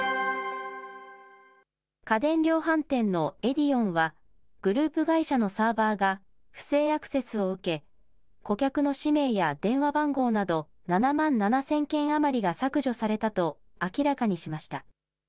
家電量販店のエディオンは、グループ会社のサーバーが不正アクセスを受け、顧客の氏名や電話番号など７万７０００件余りが削除されたと明らかにしました。